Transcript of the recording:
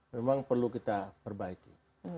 memang perlu kita perbaiki